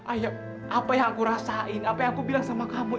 ayo apa yang aku rasain apa yang aku bilang sama kamu